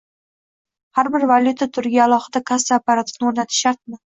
Har bir valyuta turiga alohida kassa apparatini o’rnatish shartmi?